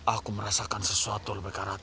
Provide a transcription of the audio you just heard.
aku merasakan sesuatu lebih karate